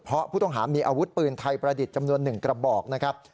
เพราะผู้ต้องหามีอาวุธปืนไทยประดิษฐ์จำนวน๑กระบอกนะครับ